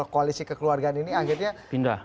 koalisi kekeluargaan ini akhirnya pindah